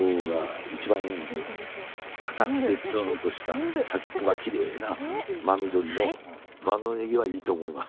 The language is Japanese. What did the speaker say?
かたくてツーンとした先っぽがきれいな真緑の万能ねぎはいいと思います。